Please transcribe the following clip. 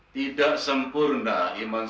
tidak sempurna iman iman saya sendiri